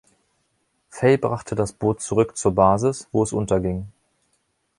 Fay brachte das Boot zurück zur Basis, wo es unterging.